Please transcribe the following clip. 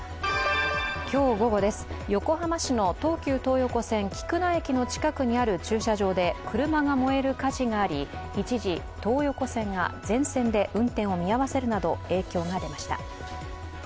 今日午後です、横浜市の東急東横線菊名駅の近くにある駐車場で車が燃える火事があり、一時、東横線が全線で運転を見合わせるなど影響が出ました。